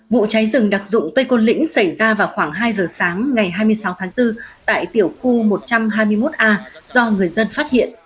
vụ cháy rừng đặc dụng tây côn lĩnh xảy ra vào khoảng hai giờ sáng ngày hai mươi sáu tháng bốn tại tiểu khu một trăm hai mươi một a do người dân phát hiện